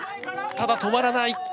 ただ止まらない。